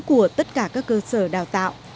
của tất cả các cơ sở đào tạo